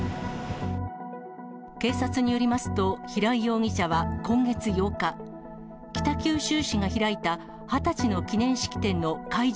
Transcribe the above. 警察によりますと、平井容疑者は今月８日、北九州市が開いた二十歳の記念式典の会場